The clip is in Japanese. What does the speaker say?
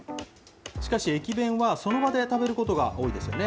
しかし駅弁は、その場で食べることが多いですよね。